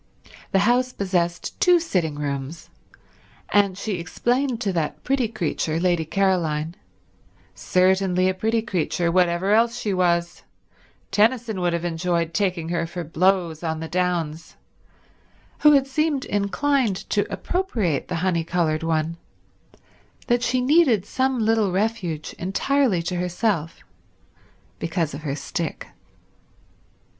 The house possessed two sitting rooms, and she explained to that pretty creature Lady Caroline—certainly a pretty creature, whatever else she was; Tennyson would have enjoyed taking her for blows on the downs—who had seemed inclined to appropriate the honey colored one, that she needed some little refuge entirely to herself because of her stick.